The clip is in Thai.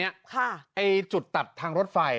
ไอ้จุดตัดทางรถไฟ